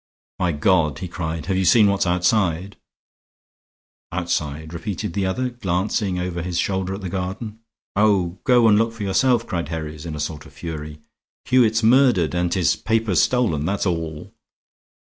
"My God!" he cried, "have you seen what's outside?" "Outside?" repeated the other, glancing over his shoulder at the garden. "Oh, go and look for yourself," cried Herries in a sort of fury. "Hewitt's murdered and his papers stolen, that's all."